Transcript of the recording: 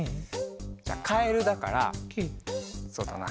じゃあカエルだからそうだな。